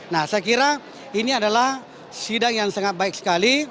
nah saya kira ini adalah sidang yang sangat baik sekali